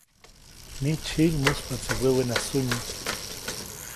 Mijtsyjiʼŋ, muspaʼtsi wewena sunyi.